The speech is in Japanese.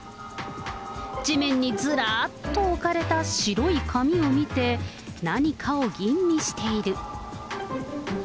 地面にずらっと置かれた白い紙を見て、何かを吟味している。